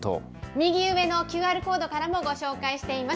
右上のＱＲコードからもご紹介しています。